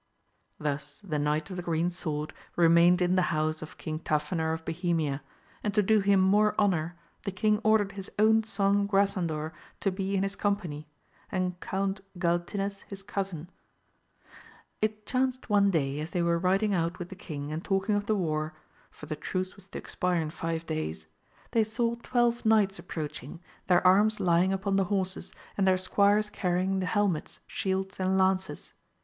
Thus the Knight of the Green Sword remained in the house of King Tafinor of Bohemia, and to do him more honour the king ordered his own son Grasandor to be in his company and Count Galtines his cousin. AMADIS OF GAUL. 243 It chanced one day as they were riding out with the king and talking of the war, for the truce was to expire in five days, they saw twelve knights approach ing, their arms lying upon the horses, and their squires canying the helmets, shields and lances.